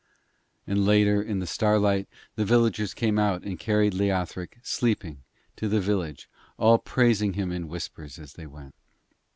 And later in the starlight the villagers came out and carried Leothric, sleeping, to the village, all praising him in whispers as they went.